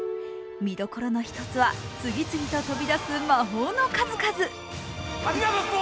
見どころの一つは次々と飛び出す魔法の数々。